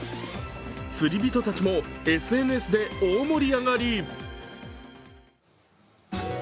釣り人たちもＳＮＳで大盛り上がり。